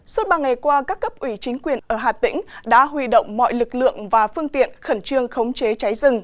suốt ba ngày qua các cấp ủy chính quyền ở hà tĩnh đã huy động mọi lực lượng và phương tiện khẩn trương khống chế cháy rừng